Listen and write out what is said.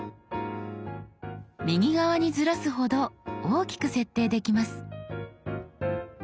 右側にずらすほど大きく設定できます。